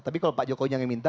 tapi kalau pak jokowi yang minta